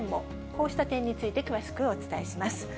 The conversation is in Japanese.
こうした点について、詳しくお伝えします。